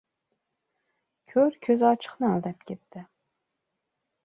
• Ko‘r ko‘zi ochiqni aldab ketdi.